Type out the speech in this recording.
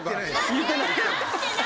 言ってない？